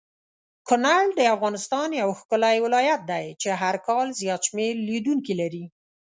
کونړ دافغانستان یو ښکلی ولایت دی چی هرکال زیات شمیر لیدونکې لری